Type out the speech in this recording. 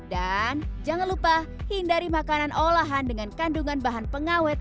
dan jangan lupa hindari makanan olahan dengan kandungan bahan pengawet